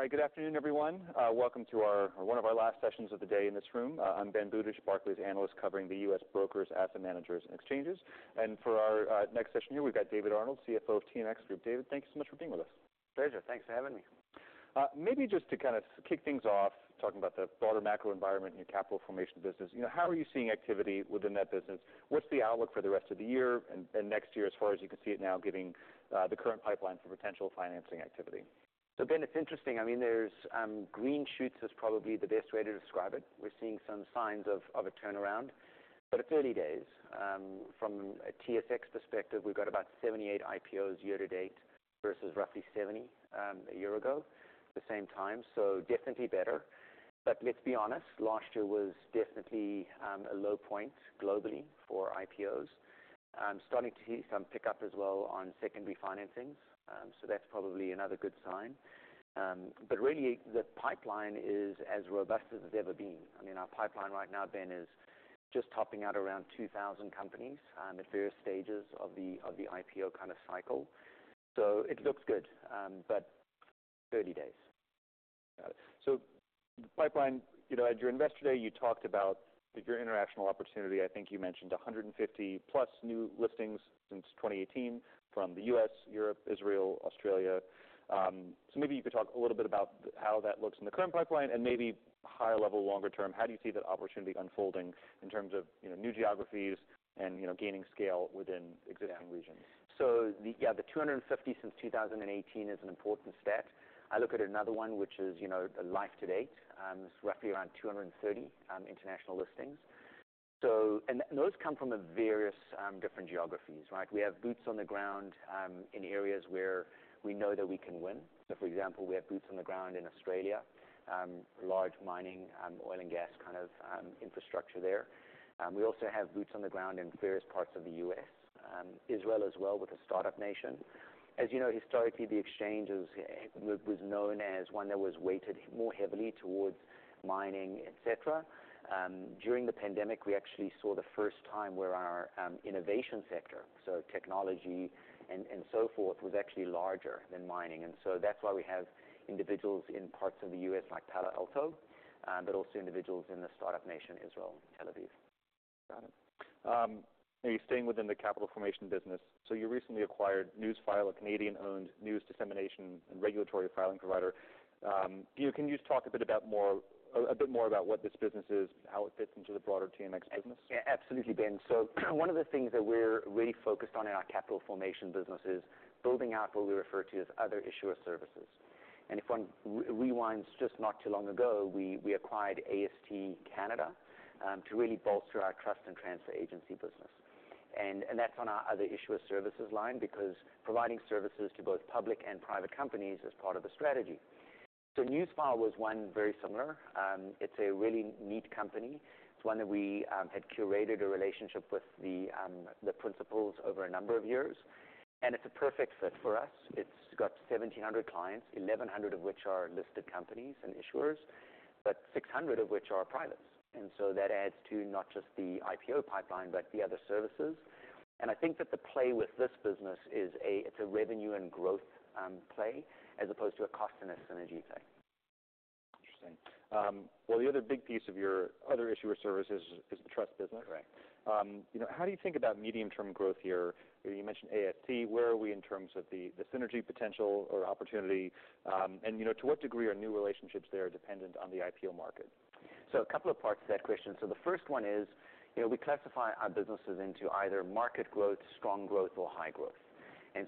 All right. Good afternoon, everyone. Welcome to our, one of our last sessions of the day in this room. I'm Ben Budish, Barclays analyst, covering the U.S. brokers, asset managers, and exchanges. And for our, next session here, we've got David Arnold, CFO of TMX Group. David, thank you so much for being with us. Pleasure. Thanks for having me. Maybe just to kind of kick things off, talking about the broader macro environment in your capital formation business, you know, how are you seeing activity within that business? What's the outlook for the rest of the year and next year, as far as you can see it now, giving the current pipeline for potential financing activity? Ben, it's interesting. I mean, there's green shoots is probably the best way to describe it. We're seeing some signs of a turnaround, but at 30 days. From a TSX perspective, we've got about 78 IPOs year to date versus roughly 70 a year ago, the same time. So definitely better. But let's be honest, last year was definitely a low point globally for IPOs. I'm starting to see some pickup as well on secondary financings, so that's probably another good sign. But really, the pipeline is as robust as it's ever been. I mean, our pipeline right now, Ben, is just topping out around 2,000 companies at various stages of the IPO kind of cycle. So it looks good, but 30 days. Got it, so the pipeline, you know, at your Investor Day, you talked about your international opportunity. I think you mentioned a hundred and fifty plus new listings since 2018 from the U.S., Europe, Israel, Australia, so maybe you could talk a little bit about how that looks in the current pipeline and maybe high level, longer term, how do you see that opportunity unfolding in terms of, you know, new geographies and, you know, gaining scale within existing regions? The, yeah, the 250 since 2018 is an important stat. I look at another one, which is, you know, the life to date is roughly around 230 international listings. And those come from various different geographies, right? We have boots on the ground in areas where we know that we can win. For example, we have boots on the ground in Australia, large mining, oil and gas kind of infrastructure there. We also have boots on the ground in various parts of the U.S., Israel as well, with the Startup Nation. As you know, historically, the exchanges was known as one that was weighted more heavily towards mining, et cetera. During the pandemic, we actually saw the first time where our innovation sector, so technology and so forth, was actually larger than mining. And so that's why we have individuals in parts of the U.S., like Palo Alto, but also individuals in the Startup Nation, Israel, and Tel Aviv. Got it. Are you staying within the capital formation business? So you recently acquired Newsfile, a Canadian-owned news dissemination and regulatory filing provider. Can you just talk a bit more about what this business is, how it fits into the broader TMX business? Yeah, absolutely, Ben. So one of the things that we're really focused on in our capital formation business is building out what we refer to as other issuer services. And if one rewinds, just not too long ago, we acquired AST Canada to really bolster our trust and transfer agency business. And that's on our other issuer services line, because providing services to both public and private companies is part of the strategy. So Newsfile was one very similar. It's a really neat company. It's one that we had curated a relationship with the principals over a number of years, and it's a perfect fit for us. It's got 1,700 clients, 1,100 of which are listed companies and issuers, but 600 of which are privates. And so that adds to not just the IPO pipeline, but the other services. I think that the play with this business is a. It's a revenue and growth play, as opposed to a cost and a synergy play. Interesting. Well, the other big piece of your other issuer services is the trust business. Right. You know, how do you think about medium-term growth here? You mentioned AST. Where are we in terms of the synergy potential or opportunity? You know, to what degree are new relationships there dependent on the IPO market? A couple of parts to that question. The first one is, you know, we classify our businesses into either market growth, strong growth, or high growth.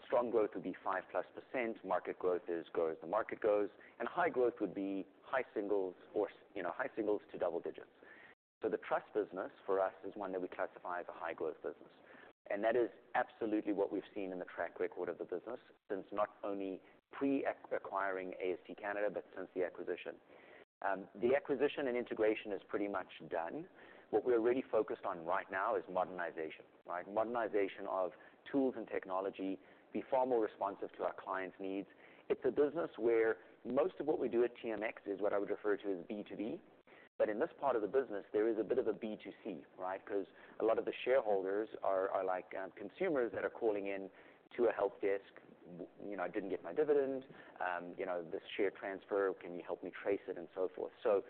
Strong growth would be 5+%. Market growth is grow as the market grows, and high growth would be high singles or, you know, high singles to double digits. The trust business for us is one that we classify as a high-growth business, and that is absolutely what we've seen in the track record of the business since not only pre-acquiring AST Canada, but since the acquisition. The acquisition and integration is pretty much done. What we're really focused on right now is modernization, right? Modernization of tools and technology, be far more responsive to our clients' needs. It's a business where most of what we do at TMX is what I would refer to as B2B, but in this part of the business, there is a bit of a B2C, right? Because a lot of the shareholders are like consumers that are calling in to a help desk. "You know, I didn't get my dividend. You know, this share transfer, can you help me trace it?" And so forth. So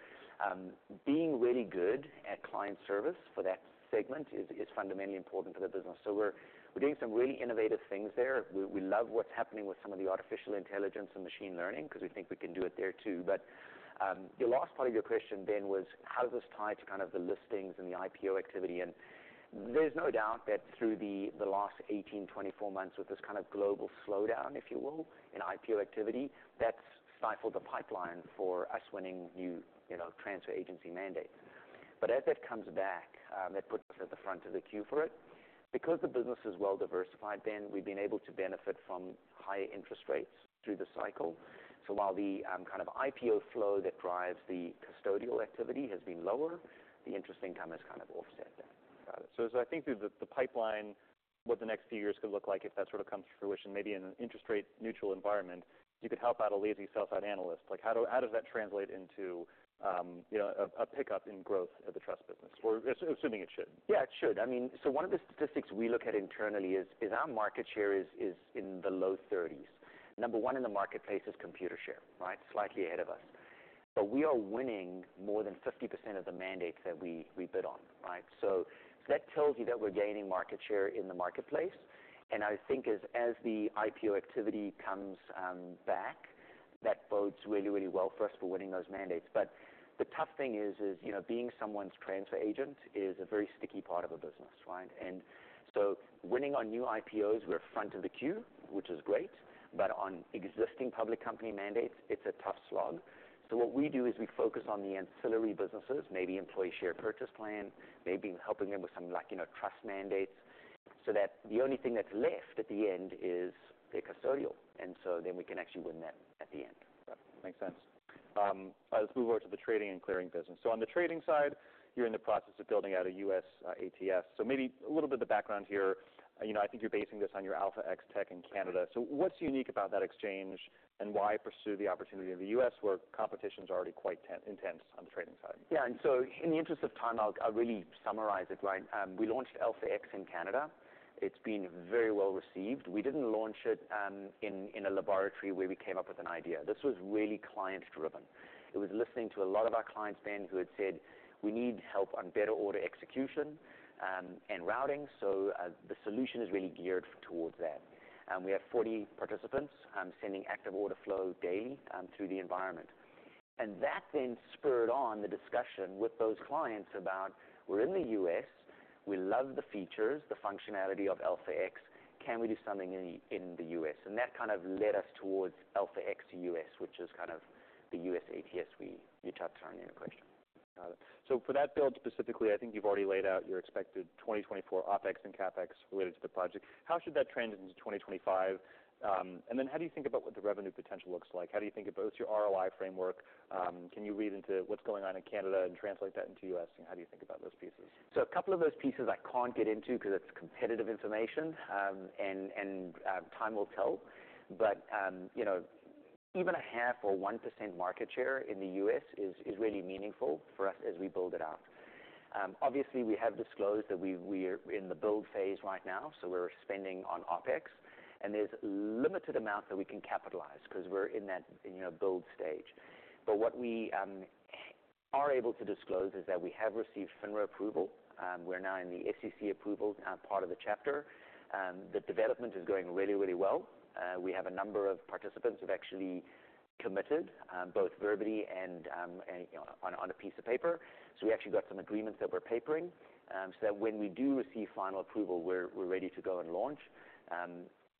being really good at client service for that segment is fundamentally important for the business. So we're doing some really innovative things there. We love what's happening with some of the artificial intelligence and machine learning, because we think we can do it there, too. But the last part of your question then, was how does this tie to kind of the listings and the IPO activity? There's no doubt that through the last 18-24 months, with this kind of global slowdown, if you will, in IPO activity, that's stifled the pipeline for us winning new, you know, transfer agency mandates. As it comes back, that puts us at the front of the queue for it. Because the business is well diversified, Ben, we've been able to benefit from higher interest rates through the cycle. While the kind of IPO flow that drives the custodial activity has been lower, the interest income has kind of offset that. Got it. So as I think through the pipeline, what the next few years could look like if that sort of comes to fruition, maybe in an interest rate neutral environment, you could help out a lazy sell-side analyst. Like, how does that translate into, you know, a pickup in growth of the trust business? We're assuming it should. Yeah, it should. I mean, so one of the statistics we look at internally is our market share is in the low thirties. Number one in the marketplace is Computershare, right? Slightly ahead of us, but we are winning more than 50% of the mandates that we bid on, right? So that tells you that we're gaining market share in the marketplace. And I think as the IPO activity comes back, that bodes really, really well for us for winning those mandates. But the tough thing is, you know, being someone's transfer agent is a very sticky part of a business, right? And so winning on new IPOs, we're front of the queue, which is great, but on existing public company mandates, it's a tough slog. So, what we do is we focus on the ancillary businesses, maybe employee share purchase plan, maybe helping them with some, like, you know, trust mandates, so that the only thing that's left at the end is the custodial, and so then we can actually win that at the end. Makes sense. Let's move over to the trading and clearing business. So on the trading side, you're in the process of building out a U.S. ATS. So maybe a little bit of the background here. You know, I think you're basing this on your Alpha-X tech in Canada. So what's unique about that exchange, and why pursue the opportunity in the U.S., where competition is already quite intense on the trading side? Yeah, and so in the interest of time, I'll really summarize it, right? We launched Alpha-X in Canada. It's been very well received. We didn't launch it in a laboratory where we came up with an idea. This was really client driven. It was listening to a lot of our clients then who had said, "We need help on better order execution and routing," so the solution is really geared towards that. We have forty participants sending active order flow daily through the environment. And that then spurred on the discussion with those clients about, we're in the U.S., we love the features, the functionality of Alpha-X, can we do something in the U.S.? And that kind of led us towards Alpha-X U.S., which is kind of the U.S. ATS you tapped on in your question. Got it. So for that build, specifically, I think you've already laid out your expected 2024 OpEx and CapEx related to the project. How should that trend into 2025? And then how do you think about what the revenue potential looks like? How do you think about your ROI framework? Can you read into what's going on in Canada and translate that into U.S., and how do you think about those pieces? So a couple of those pieces I can't get into because it's competitive information, and time will tell. But, you know, even 0.5%-1% market share in the U.S. is really meaningful for us as we build it out. Obviously, we have disclosed that we're in the build phase right now, so we're spending on OpEx, and there's limited amount that we can capitalize because we're in that, you know, build stage. But what we are able to disclose is that we have received FINRA approval, we're now in the SEC approval part of the chapter. The development is going really, really well. We have a number of participants who've actually committed, both verbally and on a piece of paper. So we actually got some agreements that we're papering, so that when we do receive final approval, we're ready to go and launch,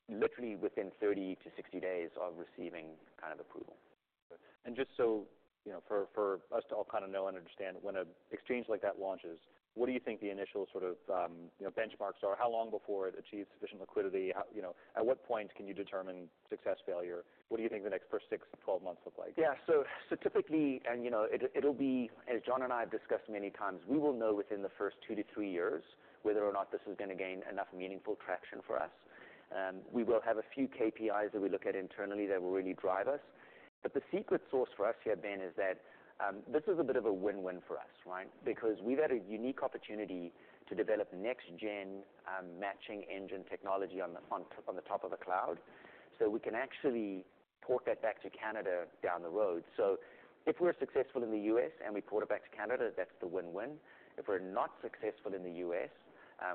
literally within 30-60 days of receiving kind of approval. Just so you know, for us to all kind of know and understand, when an exchange like that launches, what do you think the initial sort of, you know, benchmarks are? How long before it achieves sufficient liquidity? You know, at what point can you determine success, failure? What do you think the next first six to 12 months look like? Yeah. So typically, and, you know, it'll be, as John and I have discussed many times, we will know within the first two to three years whether or not this is going to gain enough meaningful traction for us. We will have a few KPIs that we look at internally that will really drive us. But the secret sauce for us here, Ben, is that this is a bit of a win-win for us, right? Because we've had a unique opportunity to develop next gen matching engine technology on the front, on the top of the cloud. So we can actually port that back to Canada down the road. So if we're successful in the U.S. and we port it back to Canada, that's the win-win. If we're not successful in the U.S.,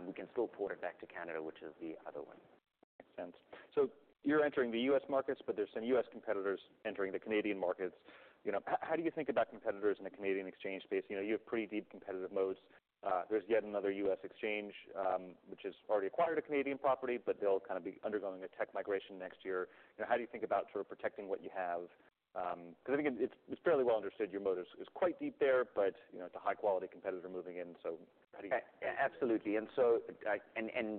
we can still port it back to Canada, which is the other win. Makes sense. So you're entering the U.S. markets, but there's some U.S. competitors entering the Canadian markets. You know, how do you think about competitors in the Canadian exchange space? You know, you have pretty deep competitive moats. There's yet another U.S. exchange, which has already acquired a Canadian property, but they'll kind of be undergoing a tech migration next year. You know, how do you think about sort of protecting what you have? Because I think it's fairly well understood your moat is quite deep there, but, you know, it's a high-quality competitor moving in, so how do you- Absolutely. And so,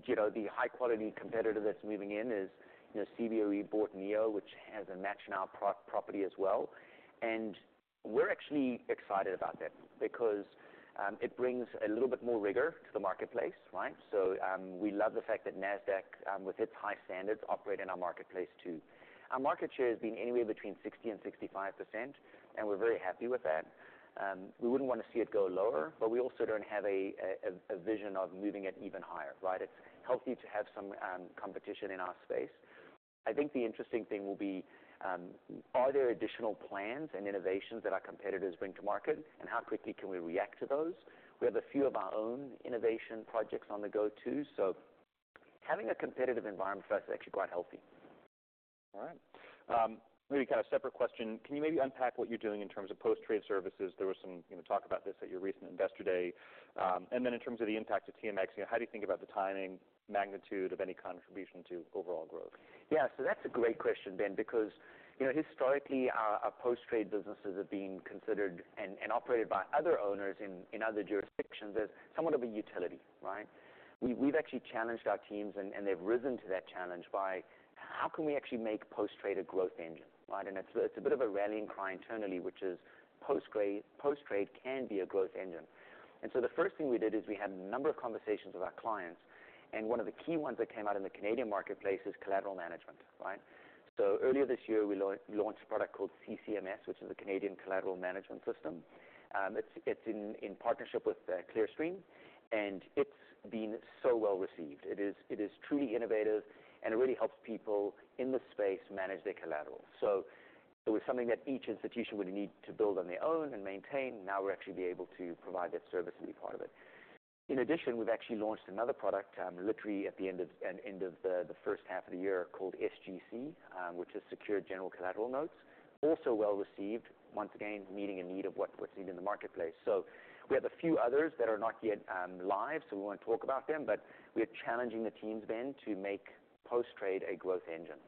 you know, the high quality competitor that's moving in is, you know, Cboe bought NEO, which has a matching engine property as well. And we're actually excited about that because it brings a little bit more rigor to the marketplace, right? So we love the fact that Nasdaq with its high standards operates in our marketplace too. Our market share has been anywhere between 60% and 65%, and we're very happy with that. We wouldn't want to see it go lower, but we also don't have a vision of moving it even higher, right? It's healthy to have some competition in our space. I think the interesting thing will be, are there additional plans and innovations that our competitors bring to market? And how quickly can we react to those? We have a few of our own innovation projects on the go, too. So having a competitive environment for us is actually quite healthy. All right. Maybe kind of separate question: Can you maybe unpack what you're doing in terms of post-trade services? There was some, you know, talk about this at your recent Investor Day. Then in terms of the impact of TMX, you know, how do you think about the timing, magnitude of any contribution to overall growth? Yeah, so that's a great question, Ben, because, you know, historically, our post-trade businesses have been considered and operated by other owners in other jurisdictions as somewhat of a utility, right? We've actually challenged our teams, and they've risen to that challenge by, how can we actually make post-trade a growth engine, right? And it's a bit of a rallying cry internally, which is post-trade can be a growth engine. And so the first thing we did is we had a number of conversations with our clients, and one of the key ones that came out in the Canadian marketplace is collateral management, right? So earlier this year, we launched a product called CCMS, which is a Canadian Collateral Management System. It's in partnership with Clearstream, and it's been so well received. It is, it is truly innovative, and it really helps people in the space manage their collateral. So it was something that each institution would need to build on their own and maintain. Now we're actually be able to provide that service and be part of it. In addition, we've actually launched another product, literally at the end of the first half of the year, called SGC, which is Secured General Collateral Notes. Also well received, once again, meeting a need of what's needed in the marketplace. So we have a few others that are not yet live, so we won't talk about them, but we are challenging the teams, Ben, to make post-trade a growth engine.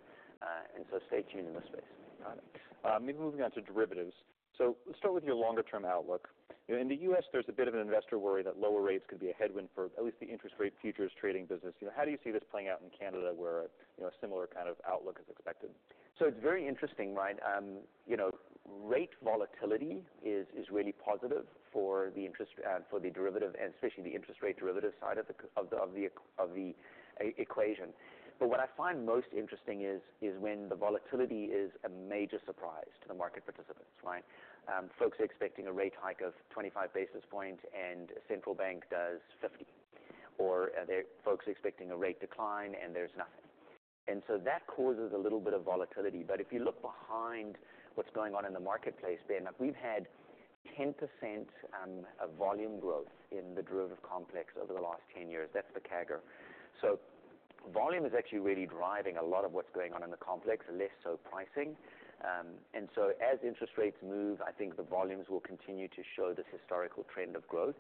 And so stay tuned in this space. Got it. Maybe moving on to derivatives. So let's start with your longer-term outlook. You know, in the U.S., there's a bit of an investor worry that lower rates could be a headwind for at least the interest rate futures trading business. You know, how do you see this playing out in Canada, where, you know, a similar kind of outlook is expected? So it's very interesting, right? You know, rate volatility is really positive for the interest for the derivative and especially the interest rate derivative side of the equation. But what I find most interesting is when the volatility is a major surprise to the market participants, right? Folks are expecting a rate hike of 25 basis points, and a central bank does 50, or folks expecting a rate decline, and there's nothing. And so that causes a little bit of volatility. But if you look behind what's going on in the marketplace, Ben, like, we've had 10% of volume growth in the derivative complex over the last 10 years. That's the CAGR. So volume is actually really driving a lot of what's going on in the complex, less so pricing. And so as interest rates move, I think the volumes will continue to show this historical trend of growth.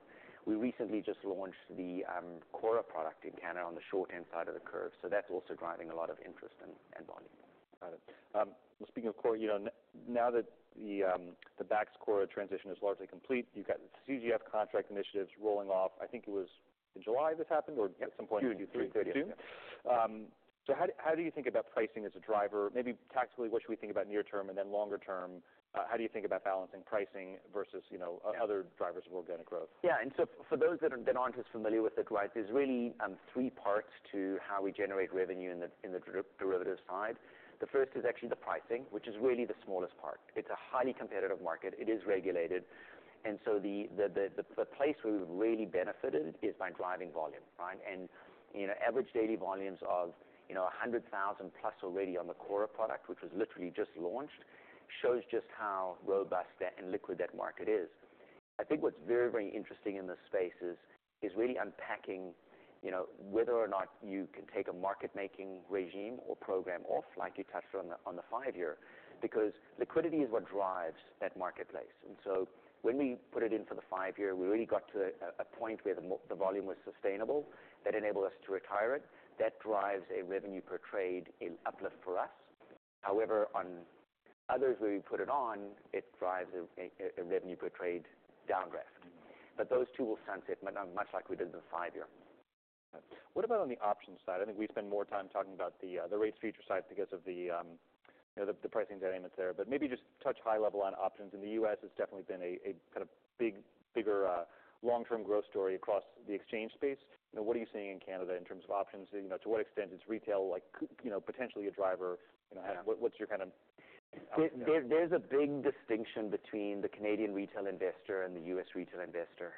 We recently just launched the CORRA product in Canada on the short-end side of the curve, so that's also driving a lot of interest and volume. Got it. Well, speaking of CORRA, you know, now that the BAX CORRA transition is largely complete, you've got CGF contract initiatives rolling off. I think it was in July, this happened, or- Yeah. at some point in Q3. Q3, yeah. So how do you think about pricing as a driver? Maybe tactically, what should we think about near term, and then longer term, how do you think about balancing pricing versus, you know, other drivers of organic growth? Yeah, and so for those that are, that aren't as familiar with it, right, there's really three parts to how we generate revenue in the derivatives side. The first is actually the pricing, which is really the smallest part. It's a highly competitive market. It is regulated, and so the place where we've really benefited is by driving volume, right? And, you know, average daily volumes of, you know, a hundred thousand plus already on the CORRA product, which was literally just launched, shows just how robust that and liquid that market is. I think what's very interesting in this space is really unpacking, you know, whether or not you can take a market-making regime or program off, like you touched on the five-year, because liquidity is what drives that marketplace. When we put it in for the five-year, we really got to a point where the volume was sustainable. That enabled us to retire it. That drives a revenue per trade an uplift for us. However, on others, where we put it on, it drives a revenue per trade downdraft. Those two will transition much like we did in the five-year. Got it. What about on the options side? I think we spend more time talking about the rates future side because of the, you know, the pricing dynamics there. But maybe just touch high level on options. In the U.S., it's definitely been a kind of big, bigger, long-term growth story across the exchange space. You know, what are you seeing in Canada in terms of options? You know, to what extent is retail like, you know, potentially a driver? You know- Yeah... what, what's your kind of, you know- There, there's a big distinction between the Canadian retail investor and the U.S. retail investor,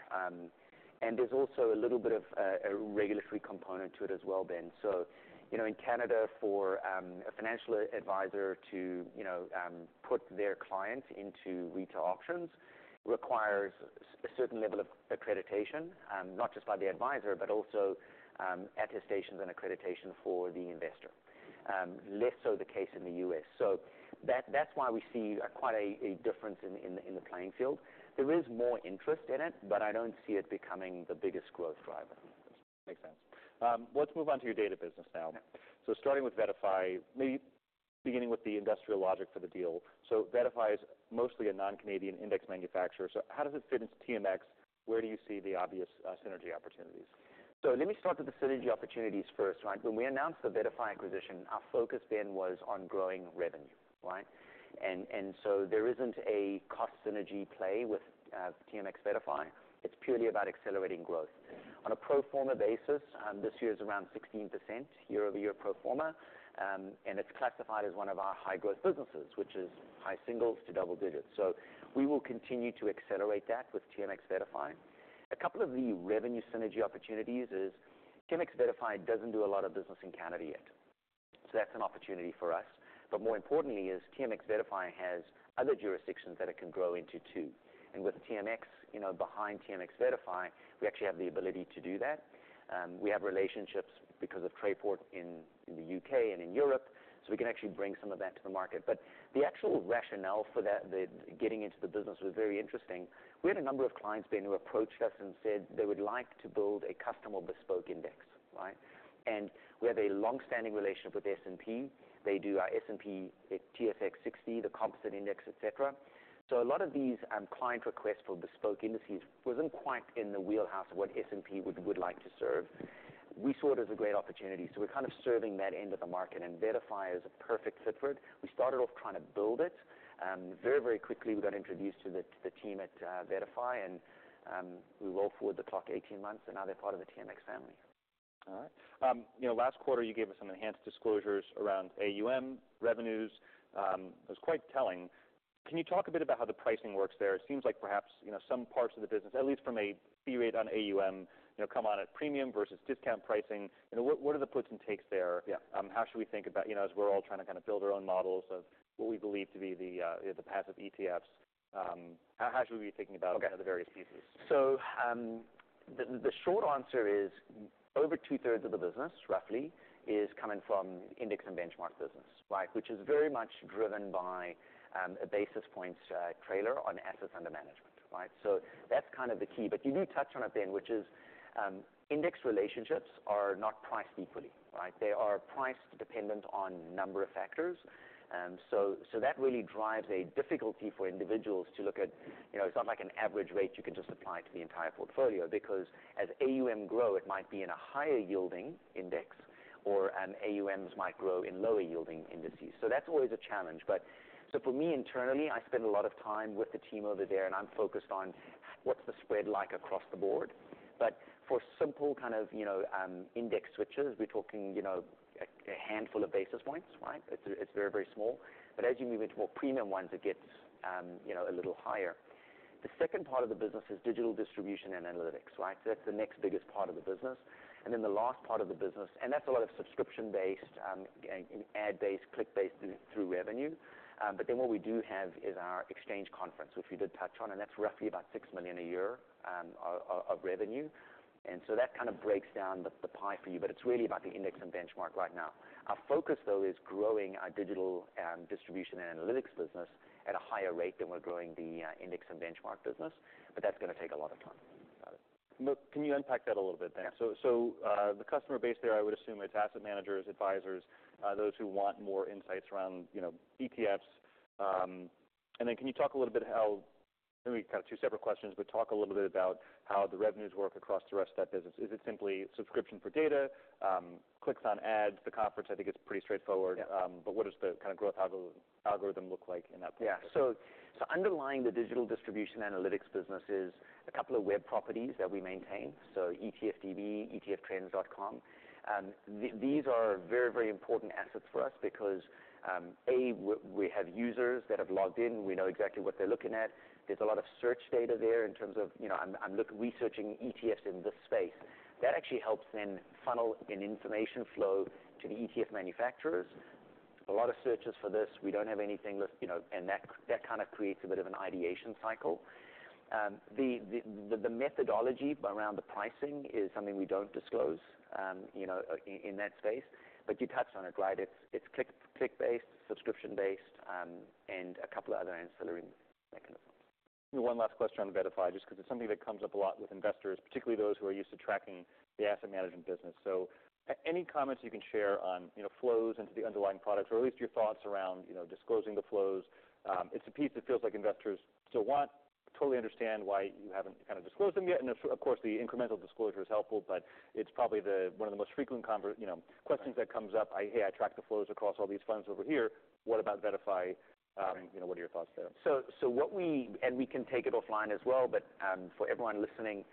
and there's also a little bit of a regulatory component to it as well, Ben. So, you know, in Canada, for a financial advisor to, you know, put their client into retail options, requires a certain level of accreditation, not just by the advisor, but also attestations and accreditation for the investor. Less so the case in the U.S. So that's why we see quite a difference in the playing field. There is more interest in it, but I don't see it becoming the biggest growth driver. Makes sense. Let's move on to your data business now. So starting with VettaFi, maybe beginning with the industrial logic for the deal. So VettaFi is mostly a non-Canadian index manufacturer, so how does it fit into TMX? Where do you see the obvious, synergy opportunities? So let me start with the synergy opportunities first, right? When we announced the VettaFi acquisition, our focus then was on growing revenue, right? And so there isn't a cost synergy play with TMX VettaFi. It's purely about accelerating growth. On a pro forma basis, this year is around 16%, year-over-year pro forma, and it's classified as one of our high-growth businesses, which is high single digits to double digits. So we will continue to accelerate that with TMX VettaFi. A couple of the revenue synergy opportunities is TMX VettaFi doesn't do a lot of business in Canada yet, so that's an opportunity for us. But more importantly is TMX VettaFi has other jurisdictions that it can grow into, too. And with TMX, you know, behind TMX VettaFi, we actually have the ability to do that. We have relationships because of Trayport in the U.K. and in Europe, so we can actually bring some of that to the market. But the actual rationale for that, the getting into the business was very interesting. We had a number of clients, Ben, who approached us and said they would like to build a custom or bespoke index, right, and we have a long-standing relationship with S&P. They do our S&P/TSX 60, the composite index, et cetera, so a lot of these client requests for bespoke indices wasn't quite in the wheelhouse of what S&P would like to serve. We saw it as a great opportunity, so we're kind of serving that end of the market, and VettaFi is a perfect fit for it. We started off trying to build it, very, very quickly we got introduced to the team at VettaFi, and we roll forward the clock eighteen months, and now they're part of the TMX family.... All right. You know, last quarter you gave us some enhanced disclosures around AUM revenues. It was quite telling. Can you talk a bit about how the pricing works there? It seems like perhaps, you know, some parts of the business, at least from a fee rate on AUM, you know, come on at premium versus discount pricing. You know, what are the puts and takes there? Yeah. How should we think about, you know, as we're all trying to kind of build our own models of what we believe to be the, the passive ETFs, how, how should we be thinking about- Okay the various pieces? So, the short answer is, over two-thirds of the business, roughly, is coming from index and benchmark business, right? Which is very much driven by a basis points trailer on assets under management, right? So that's kind of the key. But you do touch on it then, which is, index relationships are not priced equally, right? They are priced dependent on number of factors. So that really drives a difficulty for individuals to look at. You know, it's not like an average rate you can just apply to the entire portfolio, because as AUM grow, it might be in a higher yielding index, or, AUMs might grow in lower yielding indices. So that's always a challenge. But so for me, internally, I spend a lot of time with the team over there, and I'm focused on what's the spread like across the board. But for simple kind of, you know, index switches, we're talking, you know, a handful of basis points, right? It's very, very small. But as you move into more premium ones, it gets, you know, a little higher. The second part of the business is digital distribution and analytics, right? So that's the next biggest part of the business. And then the last part of the business, and that's a lot of subscription-based, and ad-based, click-based through revenue. But then what we do have is our exchange conference, which you did touch on, and that's roughly about 6 million a year of revenue. And so that kind of breaks down the pie for you, but it's really about the index and benchmark right now. Our focus, though, is growing our digital and distribution and analytics business at a higher rate than we're growing the index and benchmark business, but that's gonna take a lot of time. Got it. Look, can you unpack that a little bit then? Yeah. The customer base there, I would assume, it's asset managers, advisors, those who want more insights around, you know, ETFs. And then can you talk a little bit how... Maybe kind of two separate questions, but talk a little bit about how the revenues work across the rest of that business. Is it simply subscription for data, clicks on ads? The conference, I think, is pretty straightforward. Yeah. But what does the kind of growth algorithm look like in that part? Yeah. So underlying the digital distribution analytics business is a couple of web properties that we maintain, so ETFdb.com, etftrends.com. These are very, very important assets for us because A, we have users that have logged in, we know exactly what they're looking at. There's a lot of search data there in terms of, you know, I'm researching ETFs in this space. That actually helps then funnel an information flow to the ETF manufacturers. A lot of searches for this, we don't have anything list, you know, and that kind of creates a bit of an ideation cycle. The methodology around the pricing is something we don't disclose, you know, in that space, but you touched on it, right? It's click-based, subscription-based, and a couple of other ancillary mechanisms. One last question on VettaFi, just 'cause it's something that comes up a lot with investors, particularly those who are used to tracking the asset management business. So any comments you can share on, you know, flows into the underlying products, or at least your thoughts around, you know, disclosing the flows. It's a piece that feels like investors still want... Totally understand why you haven't kind of disclosed them yet. And of course, the incremental disclosure is helpful, but it's probably one of the most frequent conversations, you know, questions that comes up. "Hey, I track the flows across all these funds over here. What about VettaFi? Right. you know, what are your thoughts there? And we can take it offline as well, but for everyone listening,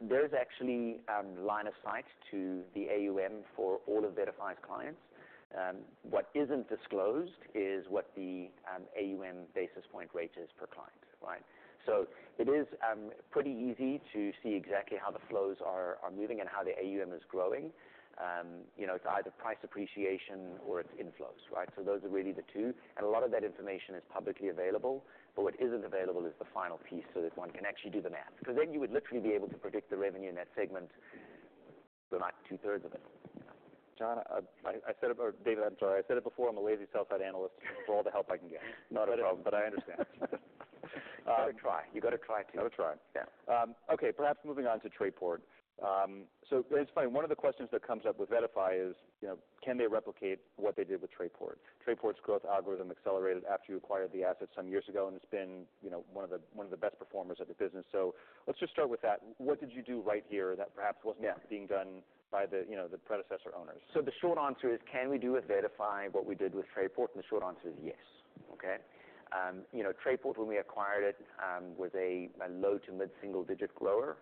there's actually line of sight to the AUM for all of VettaFi's clients. What isn't disclosed is what the AUM basis point rate is per client, right? So it is pretty easy to see exactly how the flows are moving and how the AUM is growing. You know, it's either price appreciation or it's inflows, right? So those are really the two. And a lot of that information is publicly available, but what isn't available is the final piece, so that one can actually do the math. 'Cause then you would literally be able to predict the revenue in that segment, so not two-thirds of it. John, I said it, or David, I'm sorry. I said it before, I'm a lazy sell-side analyst, for all the help I can get. Not a problem. I understand. You gotta try. You gotta try, too. Gotta try. Yeah. Okay, perhaps moving on to Trayport. So it's funny, one of the questions that comes up with VettaFi is, you know, can they replicate what they did with Trayport? Trayport's growth algorithm accelerated after you acquired the asset some years ago, and it's been, you know, one of the best performers of the business. So let's just start with that. What did you do right here that perhaps wasn't- Yeah being done by the, you know, the predecessor owners? So the short answer is, can we do with VettaFi what we did with Trayport? And the short answer is yes. Okay? You know, Trayport, when we acquired it, was a low to mid-single digit grower.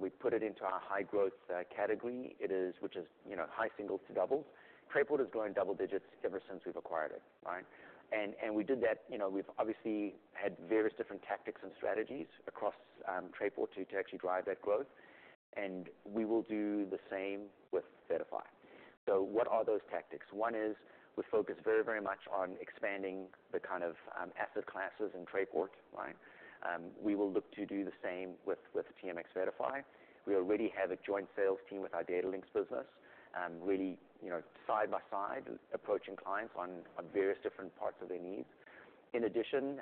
We put it into our high growth category. It is, which is, you know, high singles to doubles. Trayport has grown double digits ever since we've acquired it, right? And we did that, you know, we've obviously had various different tactics and strategies across Trayport to actually drive that growth, and we will do the same with VettaFi. So what are those tactics? One is, we focus very, very much on expanding the kind of asset classes in Trayport, right? We will look to do the same with TMX VettaFi. We already have a joint sales team with our Datalinx business, really, you know, side by side, approaching clients on various different parts of their needs. In addition,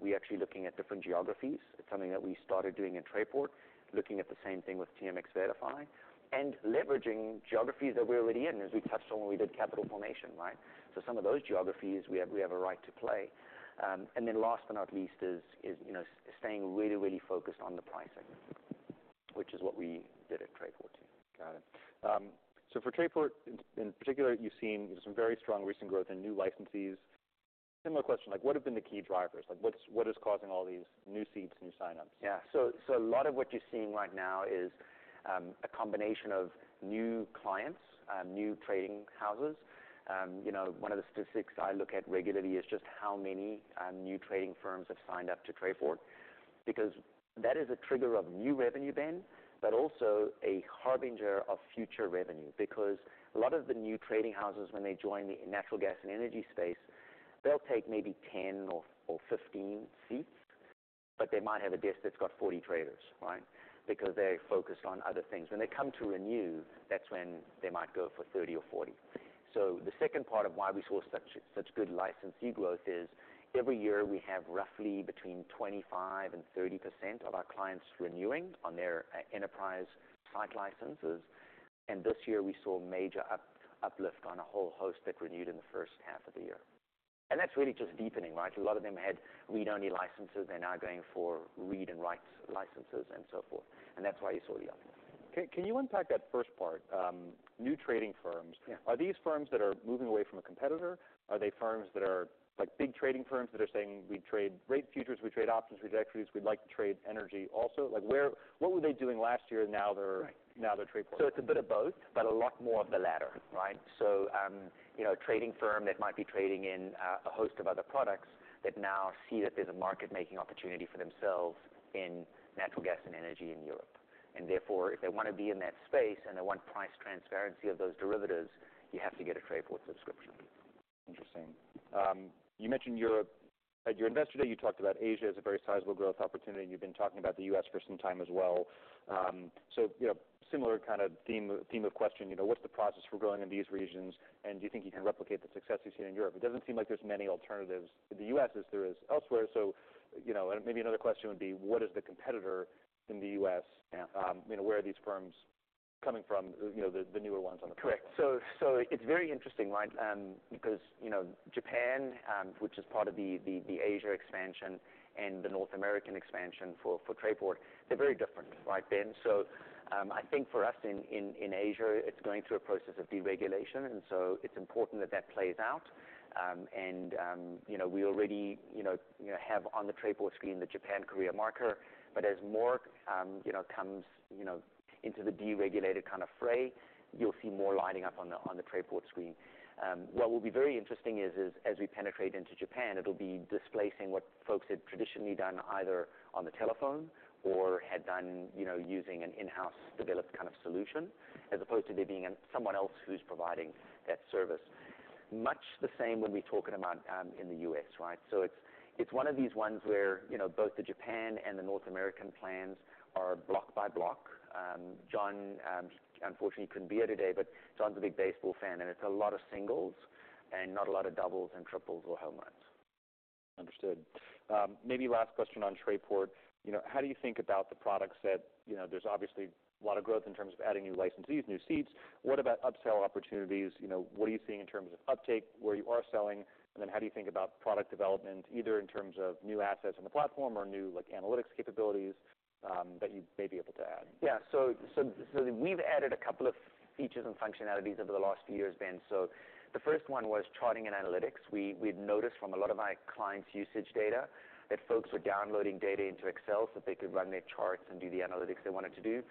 we're actually looking at different geographies. It's something that we started doing in Trayport, looking at the same thing with TMX VettaFi, and leveraging geographies that we're already in, as we touched on when we did capital formation, right? So some of those geographies, we have a right to play. And then last but not least, is you know, staying really, really focused on the pricing, which is what we did at Trayport, too. Got it. So for Trayport, in particular, you've seen some very strong recent growth in new licensees. Similar question, like what have been the key drivers? Like what's causing all these new seats, new sign-ups? Yeah. So a lot of what you're seeing right now is a combination of new clients, new trading houses. You know, one of the statistics I look at regularly is just how many new trading firms have signed up to Trayport. Because that is a trigger of new revenue, Ben, but also a harbinger of future revenue. Because a lot of the new trading houses, when they join the natural gas and energy space, they'll take maybe 10 or 15 seats, but they might have a desk that's got 40 traders, right? Because they're focused on other things. When they come to renew, that's when they might go for 30 or 40. So the second part of why we saw such good licensee growth is, every year we have roughly between 25% and 30% of our clients renewing on their enterprise site licenses, and this year we saw major uplift on a whole host that renewed in the first half of the year. And that's really just deepening, right? A lot of them had read-only licenses, they're now going for read and write licenses and so forth, and that's why you saw the uplift. Can you unpack that first part? New trading firms- Yeah. Are these firms that are moving away from a competitor? Are they firms that are, like, big trading firms that are saying, "We trade rate futures, we trade options, we trade equities, we'd like to trade energy also?" Like where... What were they doing last year, now they're- Right. Now they're Trayport? So it's a bit of both, but a lot more of the latter, right? So, you know, a trading firm that might be trading in, a host of other products, that now see that there's a market-making opportunity for themselves in natural gas and energy in Europe. And therefore, if they want to be in that space, and they want price transparency of those derivatives, you have to get a Trayport subscription. Interesting. You mentioned Europe. At your Investor Day, you talked about Asia as a very sizable growth opportunity, and you've been talking about the U.S. for some time as well. So, you know, similar kind of theme of question, you know, what's the process for growing in these regions? And do you think you can replicate the success you've seen in Europe? It doesn't seem like there's many alternatives in the U.S. as there is elsewhere, so, you know, and maybe another question would be, what is the competitor in the U.S.? Yeah. You know, where are these firms coming from, you know, the newer ones on the platform? Correct. So it's very interesting, right? Because, you know, Japan, which is part of the Asia expansion and the North American expansion for Trayport, they're very different, right, Ben? So I think for us, in Asia, it's going through a process of deregulation, and so it's important that that plays out. And you know, we already have on the Trayport screen, the Japan-Korea Marker. But as more comes into the deregulated kind of fray, you'll see more lining up on the Trayport screen. What will be very interesting is as we penetrate into Japan, it'll be displacing what folks had traditionally done, either on the telephone or had done, you know, using an in-house developed kind of solution, as opposed to there being someone else who's providing that service. Much the same when we're talking about in the U.S., right? So it's one of these ones where, you know, both the Japan and the North American plans are block by block. John, unfortunately, couldn't be here today, but John's a big baseball fan, and it's a lot of singles and not a lot of doubles and triples or home runs. Understood. Maybe last question on Trayport. You know, how do you think about the products that, You know, there's obviously a lot of growth in terms of adding new licensees, new seats. What about upsell opportunities? You know, what are you seeing in terms of uptake, where you are selling, and then how do you think about product development, either in terms of new assets on the platform or new, like, analytics capabilities, that you may be able to add? Yeah. So we've added a couple of features and functionalities over the last few years, Ben. So the first one was charting and analytics. We'd noticed from a lot of our clients' usage data, that folks were downloading data into Excel, so that they could run their charts and do the analytics they wanted to do.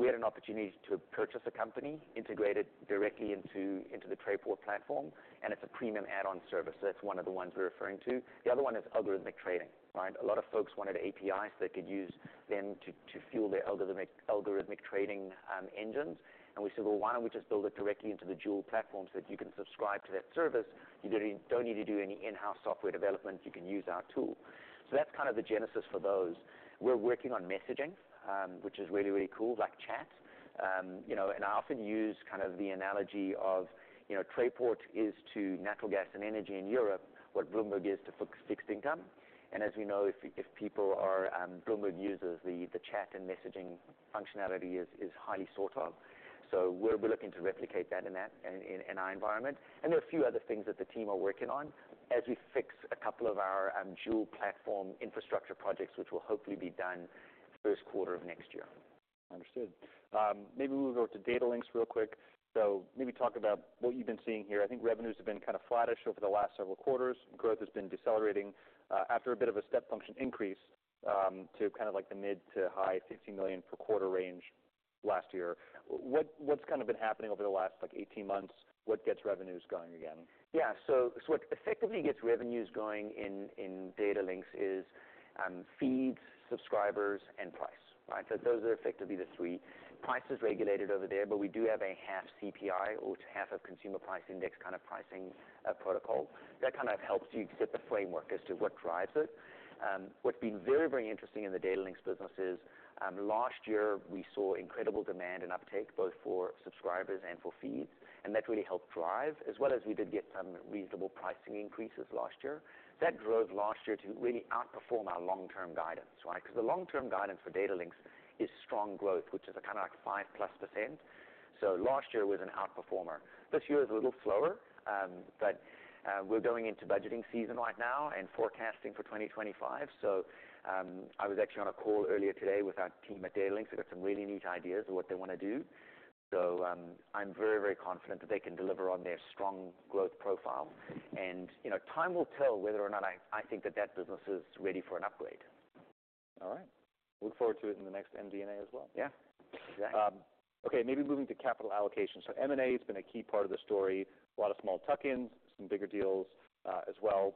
We had an opportunity to purchase a company, integrate it directly into the Trayport platform, and it's a premium add-on service. So that's one of the ones we're referring to. The other one is algorithmic trading, right? A lot of folks wanted APIs they could use to fuel their algorithmic trading engines. And we said, "Well, why don't we just build it directly into the Trayport platform so that you can subscribe to that service? You don't need to do any in-house software development. You can use our tool." So that's kind of the genesis for those. We're working on messaging, which is really, really cool, like chat. You know, and I often use kind of the analogy of, you know, Trayport is to natural gas and energy in Europe, what Bloomberg is to fixed income. And as we know, if, if people are Bloomberg users, the chat and messaging functionality is highly sought after. So we're looking to replicate that in our environment. And there are a few other things that the team are working on, as we fix a couple of our dual platform infrastructure projects, which will hopefully be done first quarter of next year. Understood. Maybe we'll go to Datalinx real quick. So maybe talk about what you've been seeing here. I think revenues have been kind of flattish over the last several quarters. Growth has been decelerating after a bit of a step function increase to kind of like the mid- to high-CAD 50 million per quarter range last year. What's kind of been happening over the last, like, 18 months? What gets revenues going again? Yeah. So, so what effectively gets revenues going in, in Datalinx is, feeds, subscribers, and price. Right? So those are effectively the three. Price is regulated over there, but we do have a half CPI, or half a consumer price index, kind of, pricing, protocol. That kind of helps you set the framework as to what drives it. What's been very, very interesting in the Datalinx business is, last year we saw incredible demand and uptake, both for subscribers and for feeds, and that really helped drive, as well as we did get some reasonable pricing increases last year. That drove last year to really outperform our long-term guidance, right? Because the long-term guidance for Datalinx is strong growth, which is a kind of like 5% plus. So last year was an outperformer. This year is a little slower, but we're going into budgeting season right now and forecasting for 2025. So, I was actually on a call earlier today with our team at Datalinx. They've got some really neat ideas of what they want to do.... So, I'm very, very confident that they can deliver on their strong growth profile. And, you know, time will tell whether or not I think the debt business is ready for an upgrade. All right. Look forward to it in the next MD&A as well. Yeah. Yeah. Okay, maybe moving to capital allocation. So M&A has been a key part of the story, a lot of small tuck-ins, some bigger deals, as well.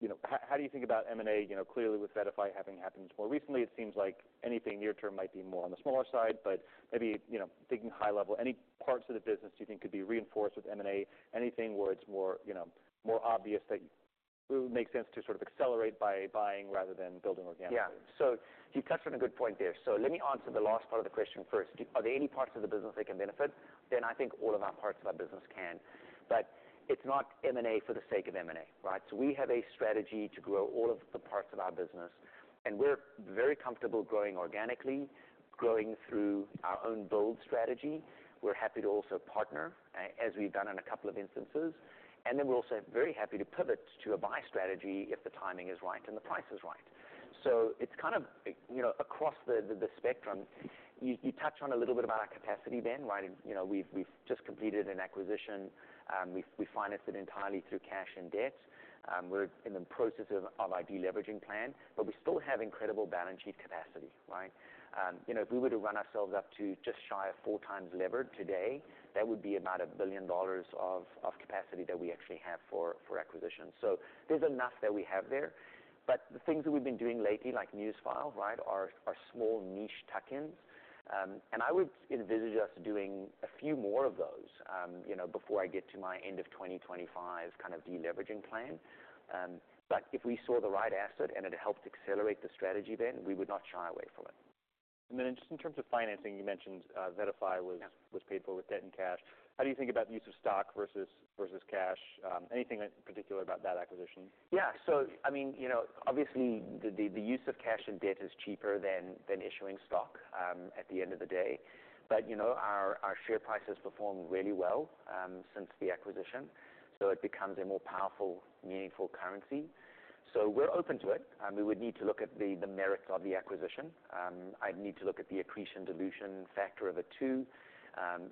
You know, how, how do you think about M&A? You know, clearly, with VettaFi having happened more recently, it seems like anything near term might be more on the smaller side, but maybe, you know, thinking high level, any parts of the business do you think could be reinforced with M&A? Anything where it's more, you know, more obvious that it would make sense to sort of accelerate by buying rather than building organically? Yeah. So you've touched on a good point there. So let me answer the last part of the question first. Are there any parts of the business that can benefit? Then I think all of our parts of our business can, but it's not M&A for the sake of M&A, right? So we have a strategy to grow all of the parts of our business, and we're very comfortable growing organically, growing through our own build strategy. We're happy to also partner, as we've done in a couple of instances, and then we're also very happy to pivot to a buy strategy if the timing is right and the price is right. So it's kind of, you know, across the spectrum. You touched on a little bit about our capacity, Ben, right? You know, we've just completed an acquisition. We financed it entirely through cash and debt. We're in the process of our de-leveraging plan, but we still have incredible balance sheet capacity, right? You know, if we were to run ourselves up to just shy of four times leverage today, that would be about 1 billion dollars of capacity that we actually have for acquisition. So there's enough that we have there. But the things that we've been doing lately, like Newsfile, right? Are small niche tuck-ins. And I would envisage us doing a few more of those, you know, before I get to my end of twenty twenty-five kind of de-leveraging plan. But if we saw the right asset and it helped accelerate the strategy, then we would not shy away from it. And then just in terms of financing, you mentioned, VettaFi was- Yeah... was paid for with debt and cash. How do you think about the use of stock versus cash? Anything in particular about that acquisition? Yeah. So I mean, you know, obviously, the use of cash and debt is cheaper than issuing stock at the end of the day. But, you know, our share price has performed really well since the acquisition, so it becomes a more powerful, meaningful currency. So we're open to it. We would need to look at the merits of the acquisition. I'd need to look at the accretion dilution factor of the two.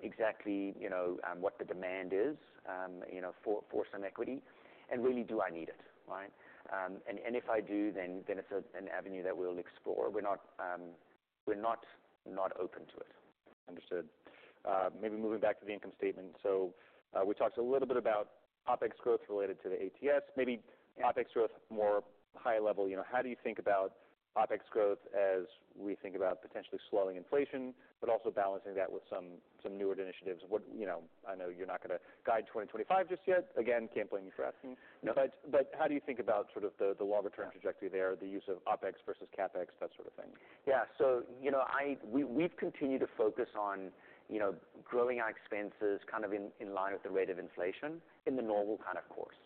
Exactly, you know, what the demand is, you know, for some equity, and really, do I need it, right? And if I do, then it's an avenue that we'll explore. We're not not open to it. Understood. Maybe moving back to the income statement. So, we talked a little bit about OpEx growth related to the ATS, maybe- Yeah... OpEx growth, more high level. You know, how do you think about OpEx growth as we think about potentially slowing inflation, but also balancing that with some newer initiatives? What? You know, I know you're not gonna guide 2025 just yet. Again, can't blame you for asking. No. But how do you think about sort of the longer-term trajectory there, the use of OpEx versus CapEx, that sort of thing? Yeah. So, you know, we've continued to focus on, you know, growing our expenses kind of in line with the rate of inflation in the normal kind of course.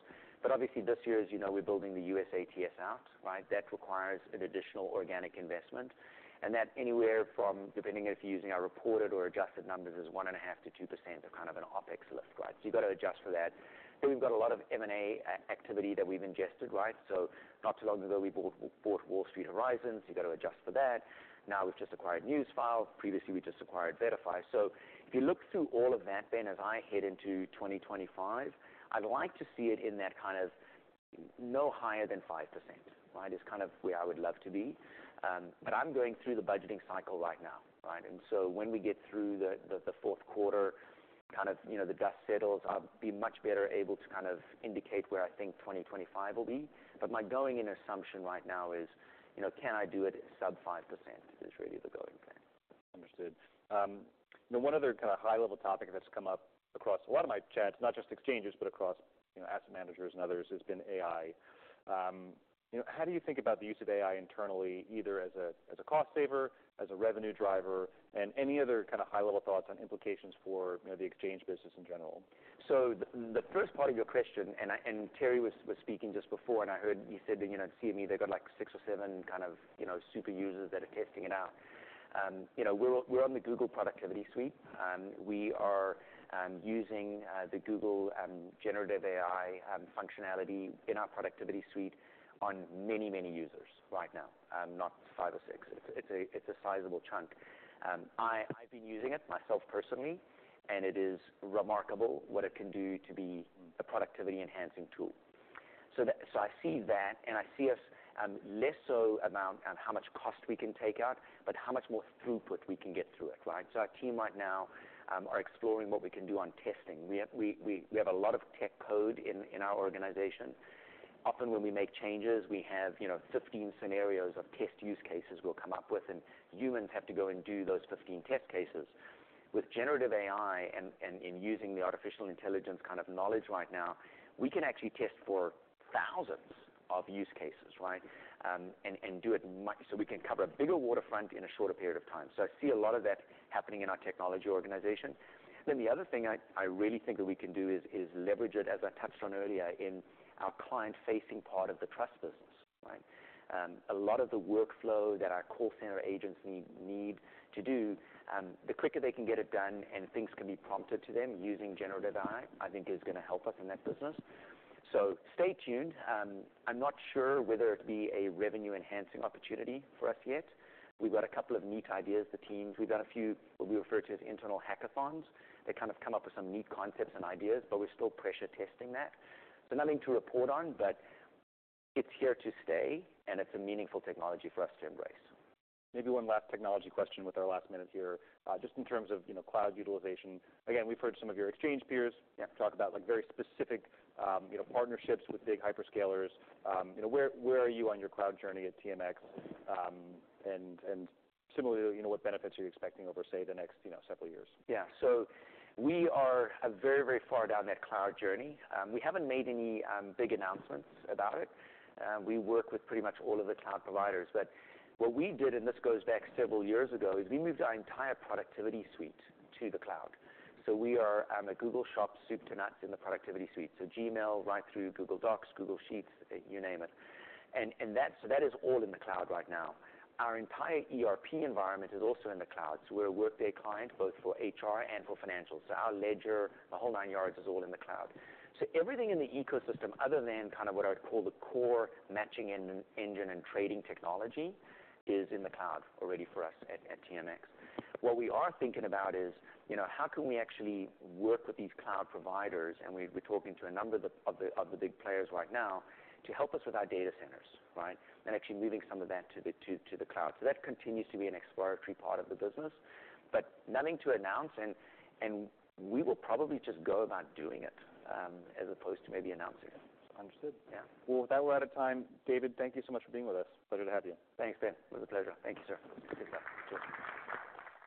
But obviously, this year, as you know, we're building the U.S. ATS out, right? That requires an additional organic investment, and that anywhere from, depending on if you're using our reported or adjusted numbers, is 1.5%-2% of kind of an OpEx lift, right? So you've got to adjust for that. But we've got a lot of M&A activity that we've ingested, right? So not too long ago, we bought Wall Street Horizons. You've got to adjust for that. Now, we've just acquired Newsfile. Previously, we just acquired VettaFi. So if you look through all of that, then as I head into twenty twenty-five, I'd like to see it in that kind of no higher than 5%, right? Is kind of where I would love to be. But I'm going through the budgeting cycle right now, right? And so when we get through the fourth quarter, kind of, you know, the dust settles, I'll be much better able to kind of indicate where I think twenty twenty-five will be. But my going-in assumption right now is, you know, can I do it at sub-5%, is really the going plan. Understood. Now, one other kind of high-level topic that's come up across a lot of my chats, not just exchanges, but across, you know, asset managers and others, has been AI. You know, how do you think about the use of AI internally, either as a cost saver, as a revenue driver, and any other kind of high-level thoughts on implications for, you know, the exchange business in general? So the first part of your question, and Terry was speaking just before, and I heard you said that, you know, CME, they've got like six or seven kind of, you know, super users that are testing it out. You know, we're on the Google productivity suite. We are using the Google generative AI functionality in our productivity suite on many users right now, not five or six. It's a sizable chunk. I've been using it myself personally, and it is remarkable what it can do to be a productivity-enhancing tool. So I see that, and I see us less so around how much cost we can take out, but how much more throughput we can get through it, right? So our team right now are exploring what we can do on testing. We have a lot of tech code in our organization. Often, when we make changes, we have, you know, 15 scenarios of test use cases we'll come up with, and humans have to go and do those 15 test cases. With generative AI and using the artificial intelligence kind of knowledge right now, we can actually test for thousands of use cases, right? And do it much, so we can cover a bigger waterfront in a shorter period of time. So I see a lot of that happening in our technology organization. Then the other thing I really think that we can do is leverage it, as I touched on earlier, in our client-facing part of the trust business, right? A lot of the workflow that our call center agents need to do, the quicker they can get it done and things can be prompted to them using generative AI, I think is gonna help us in that business. So stay tuned. I'm not sure whether it'd be a revenue-enhancing opportunity for us yet. We've got a couple of neat ideas, the teams. We've done a few, what we refer to as internal hackathons, that kind of come up with some neat concepts and ideas, but we're still pressure testing that. So nothing to report on, but it's here to stay, and it's a meaningful technology for us to embrace. Maybe one last technology question with our last minute here. Just in terms of, you know, cloud utilization, again, we've heard some of your exchange peers- Yeah... talk about, like, very specific, you know, partnerships with big hyperscalers. You know, where are you on your cloud journey at TMX? And similarly, you know, what benefits are you expecting over, say, the next, you know, several years? Yeah. So we are very, very far down that cloud journey. We haven't made any big announcements about it. We work with pretty much all of the cloud providers. But what we did, and this goes back several years ago, is we moved our entire productivity suite to the cloud. So we are a Google shop, soup to nuts, in the productivity suite, so Gmail, right through Google Docs, Google Sheets, you name it. And that, so that is all in the cloud right now. Our entire ERP environment is also in the cloud, so we're a Workday client, both for HR and for financial. So our ledger, the whole nine yards, is all in the cloud. So everything in the ecosystem, other than kind of what I'd call the core matching engine and trading technology, is in the cloud already for us at TMX. What we are thinking about is, you know, how can we actually work with these cloud providers? And we're talking to a number of the big players right now to help us with our data centers, right? And actually moving some of that to the cloud. So that continues to be an exploratory part of the business, but nothing to announce, and we will probably just go about doing it as opposed to maybe announcing it. Understood. Yeah. With that, we're out of time. David, thank you so much for being with us. Pleasure to have you. Thanks, Ben. It was a pleasure. Thank you, sir.